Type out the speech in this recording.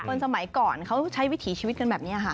คนสมัยก่อนเขาใช้วิถีชีวิตกันแบบนี้ค่ะ